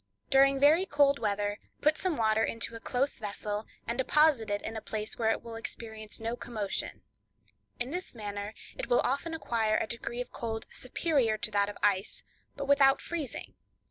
—During very cold weather put some water into a close vessel and deposit it in a place where it will experience no commotion; in this manner it will often acquire a degree of cold superior to that of ice, but without freezing.